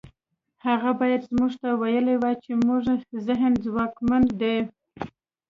هغه بايد موږ ته ويلي وای چې زموږ ذهن ځواکمن دی.